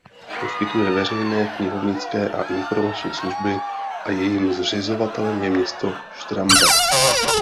Poskytuje veřejné knihovnické a informační služby a jejím zřizovatelem je město Štramberk.